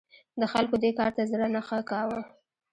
د خلکو دې کار ته زړه نه ښه کاوه.